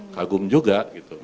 kagum juga gitu